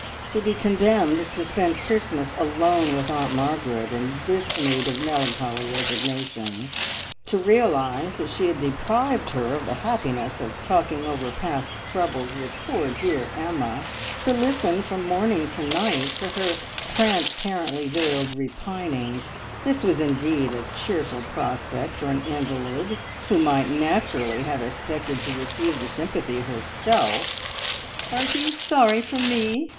To be condemned to spend Christmas alone with Aunt Margaret in this mood of melancholy resignation; to realise that she had deprived her of the happiness of talking over past troubles with poor dear Emma; to listen from morning to night to her transparently veiled repinings this was indeed a cheerful prospect for an invalid, who might naturally have expected to receive the sympathy herself. "Aren't you sorry for me?"